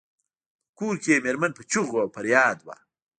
په کور کې یې میرمن په چیغو او فریاد وه.